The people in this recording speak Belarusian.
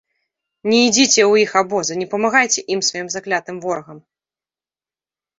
Не ідзіце ў іх абозы, не памагайце ім, сваім заклятым ворагам!